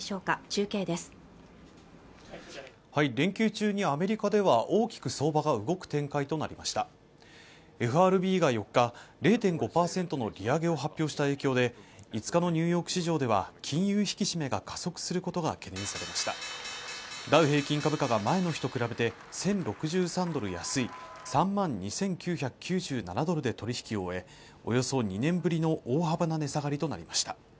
中継です連休中にアメリカでは大きく相場が動く展開となりましたＦＲＢが４日０．５％の利上げを発表した影響で５日のニューヨーク市場では金融引き締めが加速することが懸念されましたダウ平均株価が前の日と比べて１０６３ドル安い３万２９９７ドルで取引を終えおよそ２年ぶりの大幅な値下がりとなりました